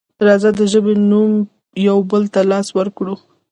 راځه د ژبې په نوم یو بل ته لاس ورکړو.